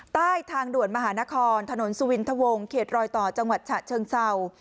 ใต้ทางด่วนมหานครถนนสุวินทวงเขตรอยต่อจังหวัดฉะเชิงเศร้า